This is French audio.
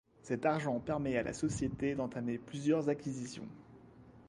Cet argent permet à la société d'entamer plusieurs acquisitions.